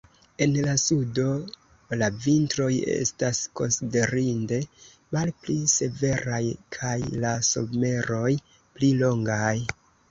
En la sudo la vintroj estas konsiderinde malpli severaj kaj la someroj pli longaj.